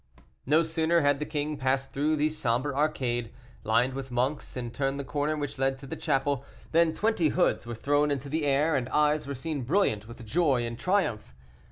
No sooner had the king passed through the somber arcade, lined with monks, and turned the corner which led to the chapel, than twenty hoods were thrown into the air, and eyes were seen brilliant with joy and triumph.